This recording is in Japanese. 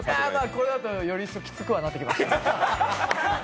これだと、余計きつくなっきてました。